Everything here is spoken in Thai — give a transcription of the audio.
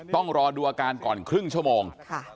ต้องรอดูอาการก่อนครึ่งชั่วโมง